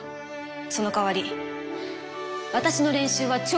そのかわり私の練習は超厳しいから。